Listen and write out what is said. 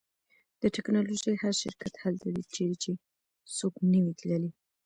د ټیکنالوژۍ هر شرکت هلته ځي چیرې چې څوک نه وي تللی